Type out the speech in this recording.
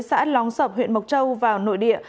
xã lóng sập huyện mộc châu vào nội địa